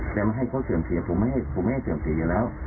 แต่ไม่ให้เขาเตือนเทียบผมไม่ให้เตือนเทียบอยู่แล้ว